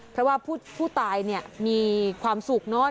เพราะว่าผู้ตายเนี่ยมีความสุขเนอะ